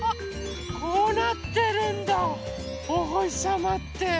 こうなってるんだおほしさまって。